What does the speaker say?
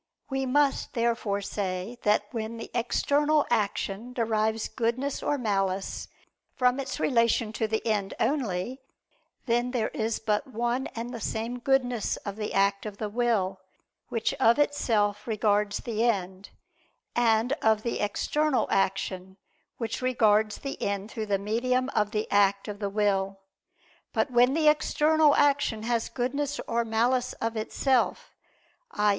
We must therefore say that when the external action derives goodness or malice from its relation to the end only, then there is but one and the same goodness of the act of the will which of itself regards the end, and of the external action, which regards the end through the medium of the act of the will. But when the external action has goodness or malice of itself, i.